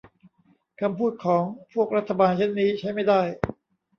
คำพูดของพวกรัฐบาลเช่นนี้ใช้ไม่ได้